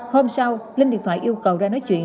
hôm sau linh điện thoại yêu cầu ra nói chuyện